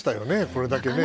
これだけね。